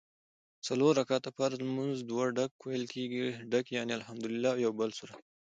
څلور رکعته فرض لمونځ دوه ډک ویل کېږي ډک یعني الحمدوالله او یوبل سورت